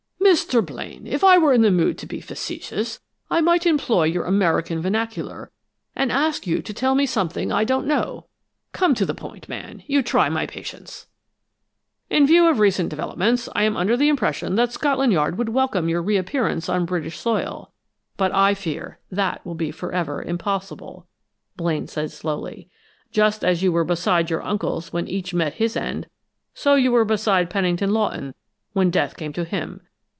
"Mr. Blaine, if I were in the mood to be facetious, I might employ your American vernacular and ask that you tell me something I don't know! Come to the point, man; you try my patience." "In view of recent developments, I am under the impression that Scotland Yard would welcome your reappearance on British soil, but I fear that will be forever impossible," Blaine said slowly. "Just as you were beside your uncles when each met with his end, so you were beside Pennington Lawton when death came to him!